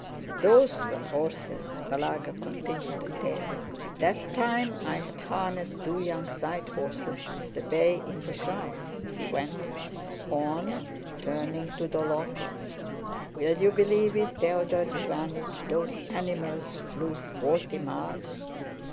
"Those were horses!" Balagá continued the tale. "That time I'd harnessed two young side horses with the bay in the shafts," he went on, turning to Dólokhov. "Will you believe it, Theodore Iványch, those animals flew forty miles?